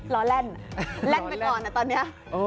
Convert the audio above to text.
ล้อเล่นเล่นไปก่อนอะตอนนี้